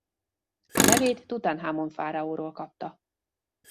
A nevét Tutanhamon fáraóról kapta.